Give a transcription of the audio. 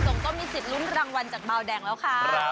ส่งต้องมี๑๐รุ่นรางวัลจากเบาแดงแล้วค่ะ